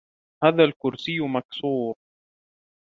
هذا الكرسي مكسور.